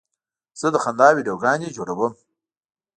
زه د خندا ویډیوګانې جوړوم.